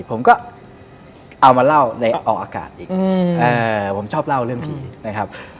ผมก็เอามาเล่าในออกอากาศอีกผมชอบเล่าเรื่องพี่นะครับ